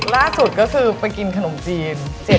ล่าสุดก็คือไปกินขนมจีน